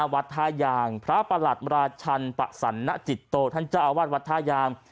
วัดท่ายางพระประหลัดราชันปะสันนจิตโตท่านเจ้าอาวาสวัดท่ายาง